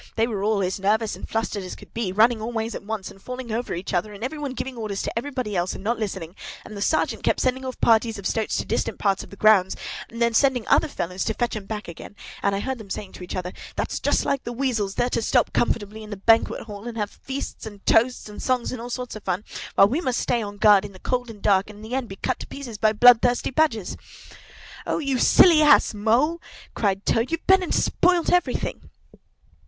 They were all as nervous and flustered as could be, running all ways at once, and falling over each other, and every one giving orders to everybody else and not listening; and the Sergeant kept sending off parties of stoats to distant parts of the grounds, and then sending other fellows to fetch 'em back again; and I heard them saying to each other, 'That's just like the weasels; they're to stop comfortably in the banqueting hall, and have feasting and toasts and songs and all sorts of fun, while we must stay on guard in the cold and the dark, and in the end be cut to pieces by bloodthirsty Badgers!"' "Oh, you silly ass, Mole!" cried Toad, "You've been and spoilt everything!"